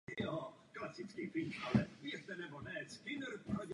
Není to nový jev.